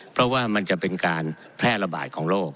เพราะว่ามันจะเป็นการแพร่ระบาดของโรค